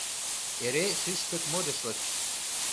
Эре шӱшпык модышлык.